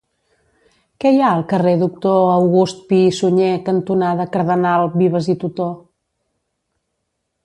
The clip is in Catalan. Què hi ha al carrer Doctor August Pi i Sunyer cantonada Cardenal Vives i Tutó?